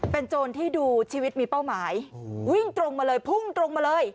เป็นโจรที่ดูชีวิตมีเป้าหมายวิ่งตรงมาเลยพุ่งตรงมาเลย